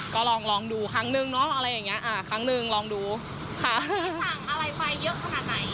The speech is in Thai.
ก็ลองลองดูครั้งนึงเนอะอะไรอย่างเงี้อ่าครั้งหนึ่งลองดูค่ะสั่งอะไรไปเยอะขนาดไหน